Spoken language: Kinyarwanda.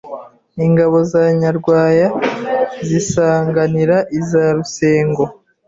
Ingabo za Nyarwaya zisanganira iza Rusengo